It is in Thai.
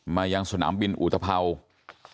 มายังสนามบินอุตภัวร์